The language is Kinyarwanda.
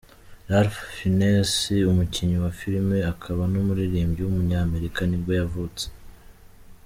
Ralph Fiennes, umukinnyi wa filime akaba n’umuririmbyi w’umunyamerika nibwo yavutse.